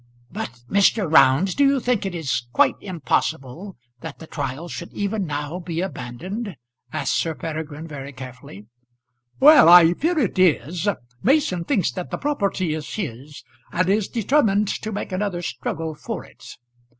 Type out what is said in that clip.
"But, Mr. Round, do you think it is quite impossible that the trial should even now be abandoned?" asked Sir Peregrine very carefully. "Well, I fear it is. Mason thinks that the property is his, and is determined to make another struggle for it.